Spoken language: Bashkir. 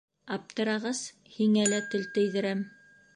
Аптырағас, һиңә лә тел тейҙерәм.